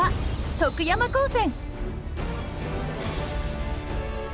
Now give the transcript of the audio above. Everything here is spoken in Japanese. ・徳山高専！